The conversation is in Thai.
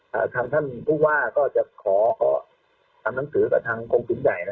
สำหรับท่านผู้ว่าก็จะขอทำหนังสือกับทางกรงคลุมใหญ่นะครับ